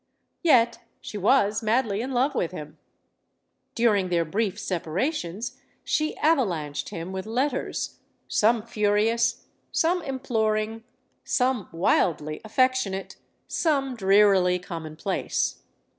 Yet she was madly in love with him. During their brief separations, she avalanched him with letters; some furious, some imploring, some wild ly affectionate, some drearily commonplace.